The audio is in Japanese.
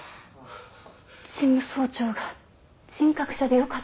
事務総長が人格者でよかった。